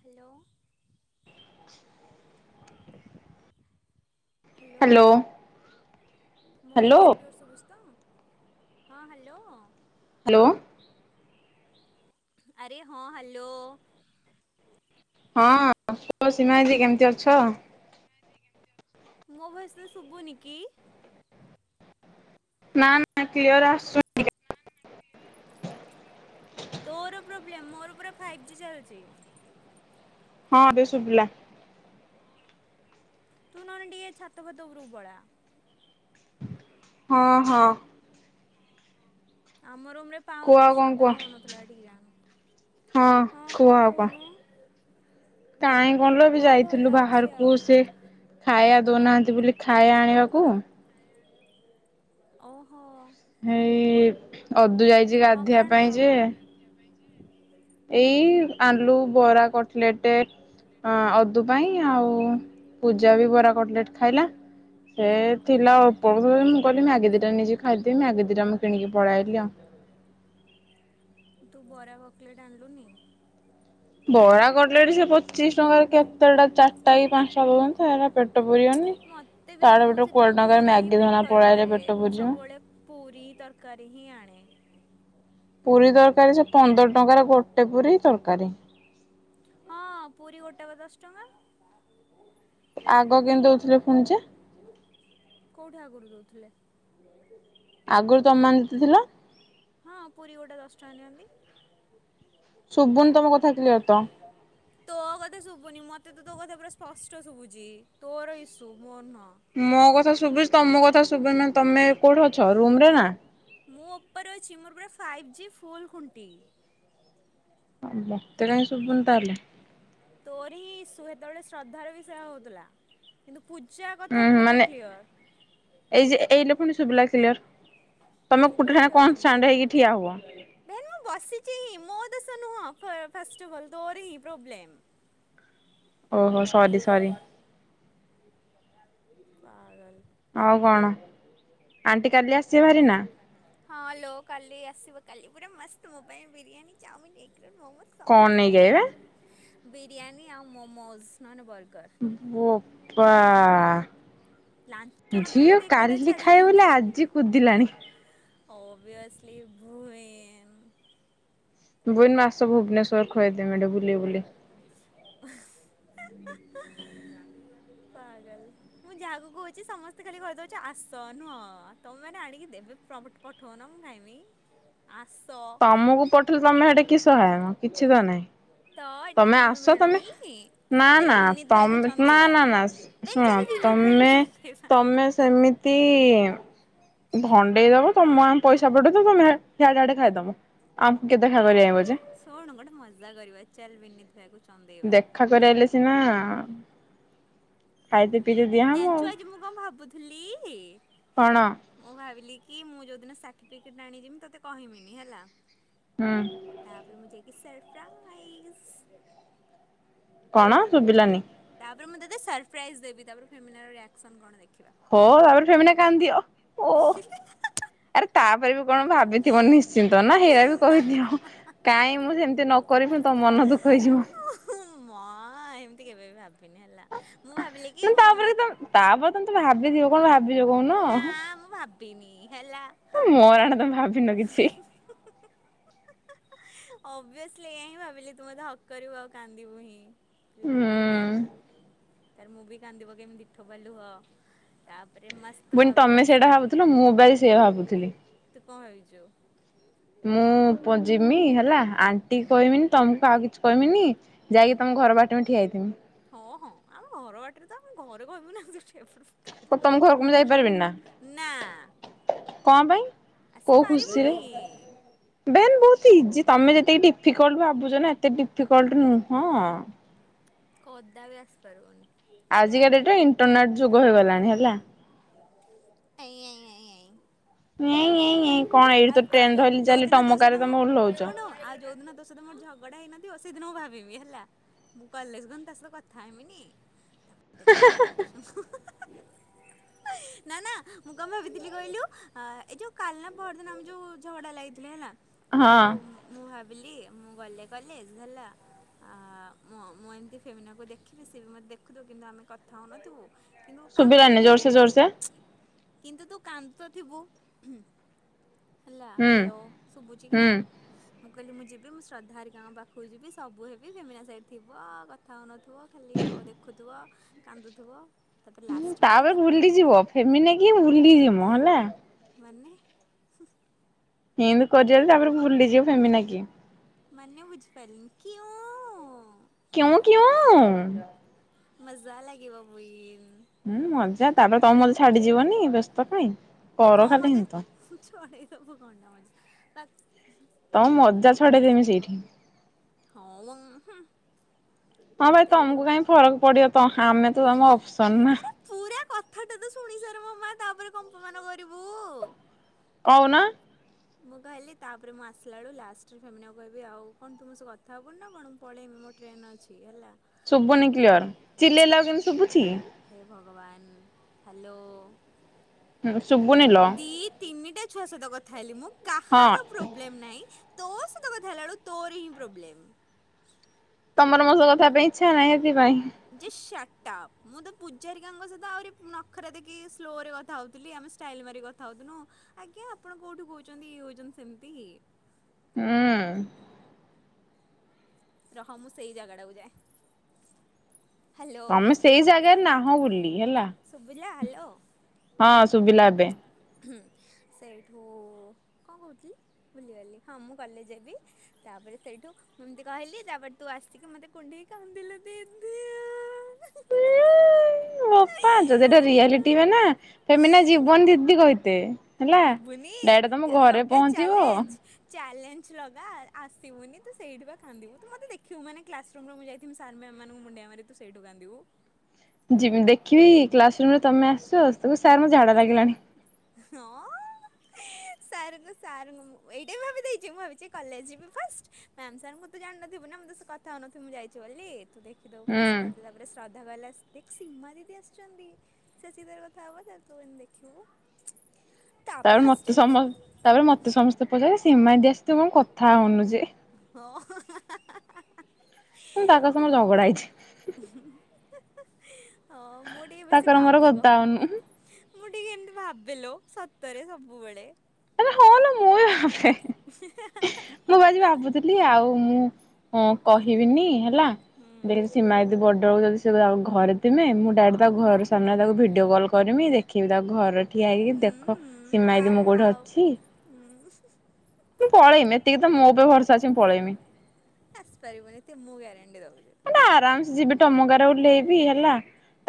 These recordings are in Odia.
ହ୍ୟାଲୋ। ହ୍ୟାଲୋ। ମୋ ହ୍ୟାଲୋ ଭଏସ୍ କ୍ଲିୟର୍ ଶୁଭୁଚି ତ ହଁ ହ୍ୟାଲୋ। ହ୍ୟାଲୋ। ଆରେ ହଁ ହ୍ୟାଲୋ। ହଁ ତୁଳସୀମାଦି କେମିତି ଅଛ? ମୋ ଭଏସ୍ ରେ ଶୁଭୁନି କି? ନା, ନା କ୍ଲିଅର ଆସୁନି ତୋର ପ୍ରୋବ୍ଲେମ ମୋର ପୁରା ଫାଇଭ୍ ଜି ଚାଲିଚି। ହଁ ଏବେ ଶୁବିଲା। ତୁ ନହେ ଟିକେ ଛାତ ଫାତ ଉପରୁ ପଳା। ହଁ, ହଁ‌ ଆମ ରୁମ ରେ କୁହ ପାଉନି ଆଉ କଣ ଶ୍ରଦ୍ଧା କୁହ ରହୁନଥିଲା ଏଠିକି ଯାମ ହଁ କଣ କହୁନୁ। କାହିଁ କଣ ଲ ବି ହଁ ଭଲ ଯାଇଥିଲୁ ଅଛି ଆଉ। ବାହାରକୁ ସେ ଖାଇବା ଦଉନାହାନ୍ତି ବୋଲି ଖାଇବା ଆଣିବାକୁ। ଓହୋ। ହେଇ ଅଦୁ ଯାଇଚି କଣ କଣ ଗାଧୋଇଆ ଆଣିଲ? ପାଇଁ ଯେ। ଏଇ ଆଲୁ ବରା କଟଲେଟେ୍। ହଁ ଅଦୁ ପାଇଁ ଆଉ ପୂଜା ବି ବରା କଟଲେଟ୍ ଖାଇଲା। ସେ ହୁଁ ଥିଲା [inaudible] ମୁଁ କହିଲି ମ୍ୟାଗି ଦିଇଟା ଖାଇଦେବି ମ୍ୟାଗି ଦିଇଟା ମୁଁ କିଣିକି ପଳାଇଲି ଆଉ। ତୁ ବରା ହକଲେଟ ଆଲୁନି। ବରା ଗଡ। ଲେଡ଼ି ସେ ପଚିଶ ଟଙ୍କା କେତେଟା ଚାରିଟା କି ପାଞ୍ଚଟା ହୁଅନ୍ତା ହେରା ପେଟ ପୁରିବନି। ମୋତେ ବି ତାର ମୁଁ ପଟରୁ କୋଡିଏ ସେଥିପାଇଁ ଟଙ୍କାର ପୁରୀ ହିଁ ମ୍ୟାଗି ଧନା ପ୍ରିଫର୍ ପଳେଇଲେ କରେ ପେଟ ମୁଁ ପୁଜିବ। ସବୁବେଳେ ପୁରୀ ତରକାରୀ ହିଁ ଆଣେ। ପୁରୀ ତରକାରୀ ସେ ପନ୍ଦର ଟଙ୍କାର ଗୋଟେ ପୁରୀ ତରକାରୀ। ହଁ ପୁରୀ ଗୋଟେବା ଦଶ ଟଙ୍କା। ଆଗ କେମିତି ଦଉଥିଲେ ଫୁଣି ଯେ। କୋଉଠି ଆଗରୁ ଦଉଥୁଲେ। ଆଗରୁ ତମ ମାନେ [unintelligible] ଥିଲ। ହଁ ପୁରୀ ଗୋଟା ଦଶଟଙ୍କା ନିଅନ୍ତି। ଶୁଭୁନି ତମ କଥା କ୍ଳିଅର ତ। ତୋଅ କଥା ଶୁଭୁନି ମୋତେ ତ ତୋ କଥା ପୁରା ସ୍ପଷ୍ଟ ଶୁଭୁଚି ତୋର ଇସ୍ୟୁ ମୋର ନୁହଁ। ମୋ କଥା ଶୁଭୁଚି ତମ କଥା ଶୁବେନା ତମେ କୋଉଠି ଅଛ ରୁମ ରେ ନା। ମୋ ଉପରେ ଅଛି ମୋର ପୁରା ଫାଇଭ୍ ଜି ଫୁଲ ଖୁଣ୍ଟି। [unintelligible] ଶୁଭୁନି ତାହେଲେ। ତୋର ହିଁ ଇସୁ ହେତେବେଳେ ଶ୍ରଦ୍ଧାର ବି ସେୟା ହଉଥିଲା କିନ୍ତୁ ପୂଜା କଥା ଉଁ ପୁରା ମାନେ କ୍ଲିଅର। ଏଇ ଯେ ଏଇ ଲ ଦେଖୁନୁ ଶୁବିଲା କ୍ଳିଅର ତମେ ତୁ [unintelligible] କଣଷ୍ଟାଣ୍ଡ ହେଇକି ଠିଆ ହୁଅ। ଦେନ ମୁଁ ବସିଚି ମୋ ଦୋଶ ନୁହଁ ଫା ଫାଷ୍ଟଲ୍ ତୋର ପ୍ରୋବ୍ଲେମ। ଓହୋ ସରି ସରି। ପାଗଲ। ଆଉ କଣ ଆଣ୍ଟି କାଲି ଆସିବେ ଭାରି ନା। ହଁ ଲୋ କାଲି ଆସିବ କାଲି ପୁରା ମସ୍ତ ମୋ ପାଇଁ ବିରିୟାନୀ ଚାଓମିନ ଏକ ରୋଲ ମୋମୋ। କଣ ନେଇକି ଆଇବେ? ସବୁ ବିରିୟାନୀ ଆଉ ମୋମୋଜ ନହେଲେ ବର୍ଗର। ବୋପା। ଲାଞ୍ଚ ହୁଁ ନଦେଲେ ଝିଅ ମୋତେ ଏକାଟିଆ କାଲି ଖାଇବ ବୋଲି ଆଜି କୁଦିଲାଣି। ଅବିଅସ୍ଲି ଭୁଏନ୍। ଭୁଏନ ମାସକୁ ଭୁବନେଶ୍ୱର ଖୁଆଇଦେବି ବୁଲେଇ ବୁଲେଇ। ପାଗଲ। ମୁଁ ଯାହାକୁ କହୁଚି ସମସ୍ତେ ଖାଲି କହିଦଉଚ ଆସ ନୁହଁ ତମେ ମାନେ ଆଣିକି ଦେବେ ପ୍ରବେଟ ପଠୋଉନ ମୁଁ ଖାଇମି ଆସ। ତମକୁ ପଠିଲେ ତମେ ଏଠି କିସ ଖାଇବ କିଛି ତ ନାହିଁ। ତ ଏଠି ତମେ କଣ ଆମର ଆସ ତମେ ମିଳୁନି। ନା ଚାଲ ନା ବିନୀତ ଭାଇ ତମ କୁ ନା ଚନ୍ଦେଇବା। ନା ନା ବେନ୍ ଶୁଣ ଚାଲ ବିନୀତ ଭାଇ କୁ ତମେ ଚନ୍ଦେଇବା। ତମେ ସେମି ତି ଭଣ୍ଡେଇଦବ ତମ ଆମ ପଇସା ପଠେଇ ଦବ ଆମେ ହିଆଡେ ଆଡେ ଖାଇଦମୁ। ଆମ କେବେ ଖା ପାରିବା ଯେ ଶୁଣୁ ଗୋଟେ ମଜା କରିବା ଚାଲ ବିିନିତି ଦ୍ଭାଇକୁ ଚନ୍ଦେଇବା। ଆଗରେ ଆଇଲେ ସିନା। ଖାଇଦେ ପିଇଦେ ଜି ଜାଣିଛୁ ଆଜି ମୁଁ କଣ ଭାବୁଥୁଲି। କଣ? ମୁଁ ଭାବିଲି କି ମୁଁ ଯୋଉଦିନ ସାର୍ଟିଫିକେଟ ଆଣିଯିବି ତୋତେ କହମିନି ହେଲା। ହୁଁ। ତାପରେ ମୁ ଜାଇ କି ସରର୍ପ୍ରାଇଜ୍ କଣ ତାପରେ ଶୁଭିଲାନି। ତାପରେ ମୁଁ ତୋତେ ସରପ୍ରାଇଜ୍ ଦେବି ତାପରେ ଫେମିଲାର ରିଆକ୍ସନ୍ କଣ ଦେଖିବା। ହଁ ତାପରେ ଫେମିନା କାନ୍ଦିବ ଓ ଆରେ ତାପରେ ବି କଣ ଭାବି ବିଥିବ ନିଶ୍ଚିନ୍ତ ନା ହିଇଆ ବି କହିଦିଅ କାଇଁ ମୁଁ ସେମତି ନ କରିବି ତୋ ମନ ଦୁଃଖ ହେଇଯିବ। ହୁଁ, ମା ଏମିତି କେବେ ବି ଭାବିନି ହେଲା ମୁଁ ଭାବିଲି କି ମୁଁ ମୋ ତାପରେତ ତାପରେ ତମେ ତ ଭାବିଥିବ କଣ ଭାବିଛ କହୁନ ବିିନି ହେଲା ହଁ। ମୋର ରାଣ ତମେ ଭାବିନ କିଛି [unintelligible] [unintelligible] ଅଭିଅସଲି ଏହା ହିଁ ଭାବିଲି ତୁ ମତେ ହକ୍ କରିବୁ ଆଉ କାନ୍ଦିବୁ ହିଁ ଯଦି ହୁଁ। ଇମୋସନାଲ୍ ତାପରେ ମୁଁ ବି କାନ୍ଦିପକେଇବି ଦି ଠପା ଲୁହ ତାପରେ ମୁଁ ଆସି ପୁଣି ତମେ ସେଇଟା ଭାବୁଥିଲ ମୁଁ ବାଇ ସେୟା ଭାବୁଥିଲି ତୁ କଣ ଭାବୁଛୁ? ମୁଁ ଜିମି ହେଲା ଆଣ୍ଟି ହୁଁ। କହିବିନି ତମକୁ ଆଉ କିଛି କହିବିନି ହୁଁ। ଯାଇକି ତମ ଘର ବାଟେ ମୁଁ ଠିଆ ହେଇଥିମି। ହଁ, ହଁ ଆମେ ଘର ବାଟରେ ତ ଆମେ ଘରେ କହିବୁ ନା ଏମିତିଠିଆ ହେଇ ପଡ଼ିବୁ ହଉ ତମ ଘରକୁ ମୁଁ ଯାଇପାରିବିନି ନା ନା କଣ ପାଇଁ? କୋଉ ଖୁସିରେ? ଆସିପାରିବୁନି ବେହେନ୍ ବହୁତ ଇଜି ତମେ ଯେତିକି ଡିଫିକଲଟ ଭାବୁଛ ନା ଏତେ ଡିଫିକଲଟ ନୁହଁ। କଦା ବି ଆସିପାରିବନି। ଆଜିକା ଡେଟ ରେ ଇଣ୍ଟରନେଟ ଯୁଗ ହେଇଗଲାଣି ହେଲା। ଏଇଁ ଏଇଁ ଏଇଁ ଏଇଁ। ଏଇଁ ଏଇଁ ଏଇଁ କଣ ଏଇଠି ଆଉ ତ ଆଉ ଟ୍ରେନ ଯୋଉ ଧରିଲି ଯୋଉ ଚାଲିଲି ଦିନ ତୋ ତମ ସହିତ କାରରେ ମୁଁ ତମେ ଓହ୍ଲଉଛ। ଶୁଣୁ ଆଉ ଯୋଉ ଦିନ ତୋ ସହିତ ମୋର ଝଗଡା ହେଇନଥିବ ସେଦିନ ମୁଁ ଭାବିବି ହେଲା ମୁଁ କଲେଜ ଗନେ ତା ସହିତ କଥା ହେମିନି ତାପରେ ଦେଖିବା ତାର ଆକ୍ସନ [unintelligible] [unintelligible] ନା ନା ମୁ କ ଭାବିଥିଲି କହିଲୁ ଅ ଏ ଯେଉ କାଲି ନା ପହରଦିନ ଆମେ ଯୋଉ ଝଗଡା ଲାଗିଥିଲେ ହେଲା ହଁ ସେଇଠୁ ମୁଁ ଭାବିଲି ମୁଁ ଗଲେ କଲେଜ ହେଲା ଆ ମୁଁ ଏମିତି ଫେମିନାକୁ ଦେଖିବି ସେି ବି ମତେ ଦେଖୁଥୁବ କିନ୍ତୁ ଆମେ କଥା ହଉନଥିବୁ କିନ୍ତୁ କାନ୍ଦୁ ତ ଶୁଭିଲାନି ଥିବେ ଜୋରସେ ଜୋରସେ କିନ୍ତୁ ତୁ କାନ୍ଦୁ ତ ଥିବୁ ହେଲା ହୁଁ ହାଲୋ ସୁଭୁଚିକି ହୁଁ। ନାହିଁ? ମୁଁ କହିଲି ମୁଁ ଯିବି ମୁଁ ଶ୍ରଦ୍ଧାହାରୀଙ୍କ ପାଖକୁ ଯିବି ସବୁ ହେବି ଫମିନା ସେଇଠି ଥିବ କଥା ହଉ ନଥିବ ଖାଲି ଆଉ ଦେଖୁଥିବ କାନ୍ଦୁଥିବ ତାପରେ ଲାଷ୍ଟ ବେଳକୁ ତାପରେ ତାକୁ ଭୁଲି ଯିବ ଫେମିନା କିଏ ଭୂଲି ଯିବ ହେଲା ମାନେ [unintelligible] ଏମତି କରିବାରୁ ତାପରେ ଭୁଲିଯିବୁ ଫେମିନା କିଏ। ମାନେ ବୁଝିପାରିଲିନି କ୍ୟୁଁ? କିୟୁଁ କିୟୁଁ। ମଜା ଲାଗିବ ବୁଇନ୍। ହୁଁ, ମଜା ତାପରେ ତମ ମଜା ଛାଡିଯିବନି ବ୍ୟସ୍ତ କାଇଁକି। କଣ ମଜା ଛଡେଇଦେବ କଣ ଟା ମଜା ତା ତମ ମଜା ଛଡେଇଦେମି ସେଇଠି। ହୋଉ ହୁଁ। ହଁ ଭାଇ ସେଇଠୁ ତମକୁ କାହିଁ ଫରକ୍ ପଡିବ ତ ଆମେ ତ ତମ ଅପସନ ନା। ଆରେ ପୁରା କଥାଟା ତ ଶୁଣି ସାର ମୋ ମା ତାପରେ କମ୍ପମାନ କରିବୁ। କହୁନ? ମୁଁ କହିଲି ତାପରେ ମୁଁ ଆସିଲା ବେଳୁ ଲଷ୍ଟରେ ସୋମିୟା କୁ କହିବି ଆଉ କଣ ତୁ ମୋ ସହ କଥା ହୋବୁନି ନା କଣ ପଳେଇବି ମୋ ଟ୍ରେନ୍ ଅଛି ହେଲା। ଶୁବୁନି ତାପରେ କ୍ଲିଅର ଚିଲେଇଲା ବେଳକୁ କେମିତି ଶୁଭୁଚି। ହେ ଭଗବାନ ହ୍ୟାଲୋ। ଶୁବୁନି ଲୋ। ଦି ତିନିଟା ଛୁଆ ସହିତ କଥା ହେଲି ମୁଁ ହଁ। ବ୍ଲେମ୍ ନାହିଁ ତୋ ସହିତ କଥା ହେଲା ବେଳକୁ ତୋର ହିଁ ପ୍ରୋବ୍ଲେମ୍। ତମର ମୋ ସହିତ କଥା ହେବା ପାଇଁ ଇଚ୍ଛା ନାହିଁ ସେଥିପାଇଁ। ଜଷ୍ଟ ସଟାଆପ୍ ମୁଁ ତ ପୂଜାରିକାଙ୍କ ସହିତ ଆହୁରି ନଖରା ଦେଖେଇକି ସ୍ଲୋ ରେ କଥା ହୋଉଥିଲି ଆମେ ଷ୍ଟାଇଲ ମାରିକି କଥା ହୋଉଥୁନ ଆଜ୍ଞା ଆପଣ କେଉଁଠୁ କହୁଛନ୍ତି ଇଏ ଜୋଉଚନ୍ତି ସେମିତି ହୁଁ। ରହ ମୁଁ ସେଇ ଜାଗାଟାକୁ ଯାଏ। ହ୍ୟାଲୋ ତମେ ସେଇ ଜାଗାରେ ନାହଁ ବୋଲି ହେଲା ଶୁଭିଲା ହଁ ଶୁଭିଲା ଏବେ। ହୁଁ ସେଇଠୁ କଣ କହୁଥିଲି ଭୁଲିଗଲି ହଁ ମୁଁ କଲେଜ ଯିବି ତାପରେ ସେଇଠୁ ଏମତି କହିଲି ତାପରେ ତୁ ଆସିକି ମତେ କୁଢେଇକି କାନ୍ଦିଲୁ ଦିଦି ବୋପା ଯେବେଠାରୁ ରିଆଲିଟି ହୁଏନା ଫେମିନା ଜିବନି ଦିଦି କହିଥିବେ। ଯିବୁନି ଲଗା ଚ୍ୟାଲେଞ୍ଜ ଚ୍ୟାଲେଞ୍ଜ ଲଗା ଆସିବୁନି ତୁ ସେଇଠି ବା କାନ୍ଦିବୁ ତୁ ମତେ ଦେଖିବୁ ମାନେ କ୍ଲାସ୍‌ ମୁଁ ଯାଇଥିବି ସାର୍ ମ୍ୟାମ୍ ମାନଙ୍କୁ ମୁଣ୍ଡଆ ମାରିବି ତୁ ସେଇଠୁ କାନ୍ଦିବୁ। ଯିବି ଦେଖିବି କ୍ଲାସରୁୁମ୍ ରେ ତମେ ଆସିଚ ସେଠୁ କହିବି ସାର୍ ମୋତେ ଝାଡ଼ା ଲାଗିଲାଣି। ହଁଁ। ସାର୍ ଙ୍କୁ ସାର୍ ଙ୍କୁ ମୁଁ ଏଇଟା ବି ଭାବି ଦେଇଚି ମୁଁ ଆଜି କଲେଜ ବି ଫାଷ୍ଟ। ମ୍ୟାମ ସାର୍ ଙ୍କୁ ତୁ ଜାଣିନଥିବୁ ନା ମୁଁ ତୋ ସହିତ କଥା ହଉନଥିବି ମୁଁ ଯାଇଛି ବୋଲି ତୁ ଦେଖିଦୋବୁ ହୁଁ। ଫାଷ୍ଟ ଗୋଟେ ଶ୍ରଦ୍ଧା [unintelligible] ସୀମା ଦିଦି ଆସିଛନ୍ତି ସେ ସିଧା କଥା ହବ ତ ତୁ ଏଇନେ ଦେଖିବୁ ତାପରେ ମତେ ସମସ ତାପରେ ମତେ ସମସ୍ତେ ପଚାରିବେ ସୀମା ଦେଇ ସଇତ କଣ କଥା ହୋଉନୁ ଯେ ହଁ ତାଙ୍କ ସହ ମୋର ଝଗଡା ହେଇଛି ହଁ ମୁଁ ଟିକେ ବେଶୀ ତାଙ୍କର ମୋର ଭାବୁକ କଥା ହଉନୁ ମୁଁ ଟିକେ ଏମତି ଭାବେଲୋ ସତରେ ସବୁବେଳେ ଆଲୋ ହଁ ଲୋ ମୁଁ ବି ଭାବେ ମୁଁ ଆଜି ଭାବୁଥିଲି ଆଉ ମୁଁ କହିବିନି ହେଲା ହୁଁ ସୀମା ଏଦି ବର୍ଡର ସିଲା ଘରେ ଥମେ ମୁଁ ଡାଇରେ ତା ଘର ସାମ୍ନାରେ ତାକୁ ଭିଡିଓ କଲ୍ କରିମି ଦେଖ ଦେଖିବି ତାକୁ ଘର ଠିଆ ହେଇକି ହୁଁ ଦେଖ ହୁଁ ସିମାଦି ଆଉ ମୋ ଆଉ ଛି ହୁଁ ମୁଁ ପଳେଇମି ଏତିକି ତ ମୁଁବେ ଭରସା ଅଛି ମୁଁ ପଳେଇମି। ଆସି ପାରିବୁନି ତ ମୁଁ ଗ୍ୟାରେଣ୍ଟି ଦୋଉଚି। ମାନେ ଆରାମସେ ଯିବି ଟମକାରାରେ ଓଲ୍ଲେଇବି ହେଲା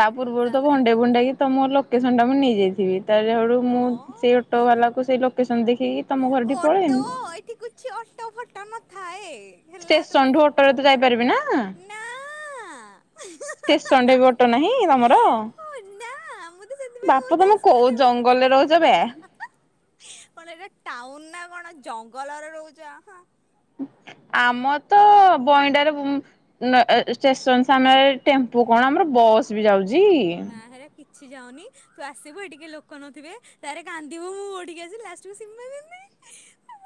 ତା ହୁଁ ପୂର୍ବରୁ ତ ତାପରେ ଭଣ୍ଡେଇ ଭଣ୍ଡେଇକି ତ ମୋ ଲୋକେସନ୍ଟା ମୁଁ ନେଇଯାଇଥିବି ତାହେଳୁ ମୁଁ ସେଇ ହଁ ଅଟୋବାଲାକୁ ସେଇ ଲୋକେସନ୍ ଦେଖିକି ତମ ଘରଟି ଅଟୋ ପଳେଇମି। ଏଠି କିଛି ଅଟା ଫଟା ନଥାଏ। ହେଲା ତ ଷ୍ଟେସନଠୁ କଣଟା ଅଟୋରେ ତ ଯାଇପାରିବି ନା ନାଁ। ଷ୍ଟେସନରେ ବି ଅଟୋ ନାହିଁ ତମର? ଓ ନା ମୁଁ ତ ସେଥିପାଇଁ ବାପ କହୁଚି ତମେ କୋଉ ଆସିପାରିବନି ଜଙ୍ଗଲରେ ରହୁଛ ହା ବେ ହା। କଣ ଏଟା ଟାଉନ ନା କଣ ଜଙ୍ଗଲରେ ରହୁଛ। ଆମ ତ ବଇଣ୍ଡାରେ ଷ୍ଟେସନ ସାମ୍ନା ରେ ଟେମ୍ପୁ କଣ ଆମର ବସ୍ ବି ଯାଉଚି। ନା ହେରା କିଛି ଯାଉନି ତୁ ଆସିବୁ ଏଠି କେହି ଲୋକ ନଥିବେ ତାପରେ କାନ୍ଦିବୁ ମୋ ଠିକି ଆସିବୁ ଲାଷ୍ଟକୁ ସିମମି। ହ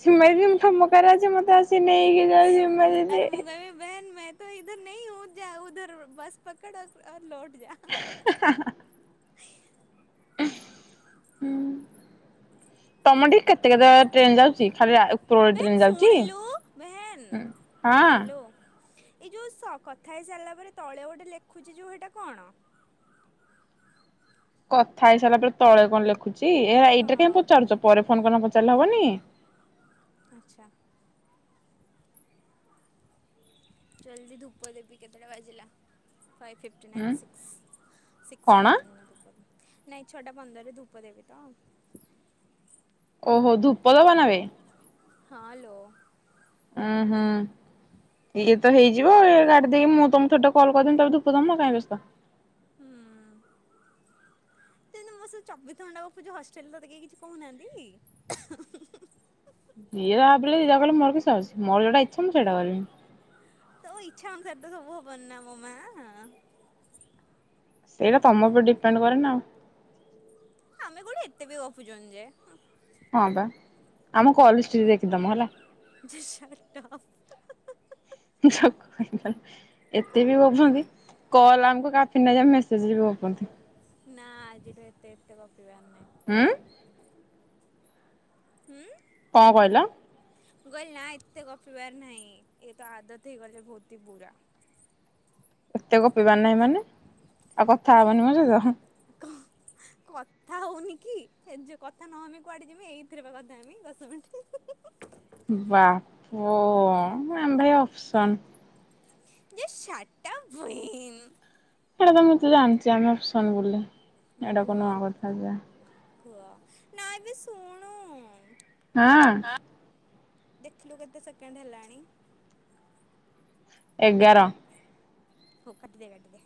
ସିମେଇଦି ମୁଁ ଟମକାରେ ଅଛି ମତେ ଆସି ନେଇକିଯାଆ। ତାପରେ ମୁଁ କହିବି ବେହେନେ ମେ ତ ଇଧର ନେହିଁ ହୁଁ ଯା ଉଧର ବସ ପକଡ ଅର ଲୋଟ ଯା। ହା ହା ହା। ହୁଁ। ତମଠି କେତେ କେତେ ଟ୍ରେନ୍ ଯାଉଚି ଖାଲି ଉପରବେଳି ବେନ୍ ଟ୍ରେନ ଯାଉଚି। ଶୁଣିଲୁ ବେହେନ୍ ହଁ। ହ୍ୟାଲୋ ଏଇ ଯୋଉ କଥା ହେଇସାରିଲା ପରେ ତଳେ ଗୋଟେ ଲେଖୁଛି ଯୋଉ ହେଟା କଣ। କଥା ହେଇସାରିଲା ପରେ ତଳେ କଣ ଲେଖୁଛି ଏହା ହଁ ଏଇଟାରେ କାହିଁ ପଚାରୁଛ ପରେ ଫୋନ କରିକିନା ପଚାରିଲେ ହବନି। ଆଚ୍ଛା। ଜଲ୍ଦି ଧୂପ ଦେବି କେତେଟା ବାଜିଲା ଫାଇ ଫିପିଟି। ଫିଫଟି ଉଁ ନାଇନ୍ ସିକ୍ସ୍ ସିକ୍ସ କଣ ଫିଫ୍ଟନାଇନ୍। ନାଇଁ ଛଟା ପନ୍ଦରରେ ଧୂପ ଦେବି ତ ଓହୋ ଧୂପ ଦବନାବେ। ହଁ ଲୋ। ହଁ ହଁ। ଇଏ ତ ହେଇଯିବ ଏ କାଟି ଦେଇକି ମୁଁ ତମକୁ ଛୋଟ କଲ କରିଦେବି ତମେ ଧୂପ ଦବ କାଇଁ ବ୍ୟସ୍ତ। ହୁଁ। ତମେତ ମୋ ସହ ଚବିଶ ଘଣ୍ଟା ଗପୁଚ ହଷ୍ଟେଲରେ ତତେ କେହି କିଛି କହୁନାହାନ୍ତିକି। ଯିଏ ଯାହା ଭାବିଲେ ଯିଏ ଯାହା କହିଲେ ମୋର କିଛି ଯାଏଆସେ ମୋର ଯୋଉଟା ଇଛା ମୁଁ ସେଇଟା କରିବି। ହ ଇଚ୍ଛା ଅନୁସାରେ ତ ସବୁ ହବନ ନା ମୋ ମା। ଏଇଟା ତମ ଉପରେ ଡିପେଣ୍ଡ କରେନା ଆଉ। ଆମେ କୋଉଠେ ଏତେ ବି ଗପୁଚନ୍ତି ଯେ। ହଁ ବା ଆମ କଲହିଷ୍ଟ୍ରି ଦେଖିଦମ ହେଲା। ଜଷ୍ଟଷ୍ଟାପ। [unintelligible] ଏତେ ବି ଗପୁଚନ୍ତି କଲ୍ ଆମକୁ କାଫି ନାଇ ଯେ ମେସେଜରେ ବି ଗପନ୍ତୁ। ନା ଆଜିଠୁ ଏତେ ଏତେ ଗପିବାର ନାହିଁ। ହୁଁ। ହୁଁ। କଣ କହିଲ। ମୁଁ କହିଲି ନା ଏତେ ଗପିବାର ନାହିଁ ଏତ ଆଦତ ହେଇଗଲେ ବହୁତ ହି ବୁରା। ଏତେ ଗପିବାର ନାଇଁ ମାନେ ଆଉ କଥା ମାନେ ହବନି ମୋ ସହିତ। [unintelligible] କଥା ହୋଉନି କି ଯେ କଥା ନହମି କୁଆଡେ ଯିମି ଏଇଥିରେ ବା କଥା ହେମି ଦଶ ମିନିଟ୍। ବାପ ଆମେ ଭାଇ ଅପସନ୍। ଜଷ୍ଟ ସାଟାପ ବେହେନ୍। ସେଇଟା ତ ମତେ ଜାଣିଚି ଆମେ ଅପସନ୍ ବୋଲି। ହଁ ଏଇଟା ଗୁହ କଣ ନୂଆ କଥା ଯେ କୁହ ନାଇ ବେ ଶୁଣୁ। ହଁ। ଦେଖିଲୁ କେତେ ସେକେଣ୍ଡ ହେଲାଣି? ଏଗାର। ଏଗାର ହଉ କାଟିଦେ କାଟିଦେ।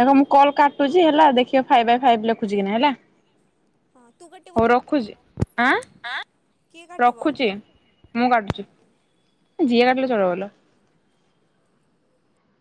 ଦେଖ ମୁଁ କଲ୍ କାଟୁଚି ହେଲା ଦେଖିବ ଫାଇଭ୍ ବାଏ ଫାଇଭ୍ ଲେଖୁଚି କି ନାହିଁ। ହେଲା। ହଁ ତୁ କାଟିବୁ ହଉ କି? ରଖୁଛି ଆଁ କିଏ କାଟିବ? ରଖୁଛି ମୁଁ କାଟୁଚି। ଯିଏ କାଟିଲେ ଚଳିବଲୋ।